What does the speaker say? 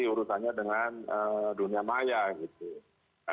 jadi urusannya dengan dunia maya gitu